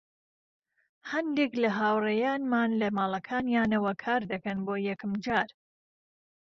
هەندێک لە هاوڕێیانمان لە ماڵەکانیانەوە کاردەکەن، بۆ یەکەم جار.